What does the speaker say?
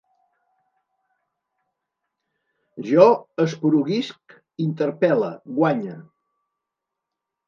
Jo esporuguisc, interpel·le, guanye